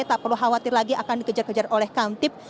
tak perlu khawatir lagi akan dikejar kejar oleh kamtip